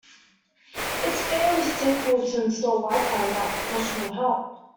It's fairly simple to install wi-fi without professional help.